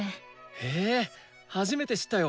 へえ初めて知ったよ。